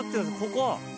ここ。